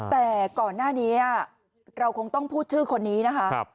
แต่ก่อนหน้านี้เราคงต้องพูดชื่อคนนี้นะคะ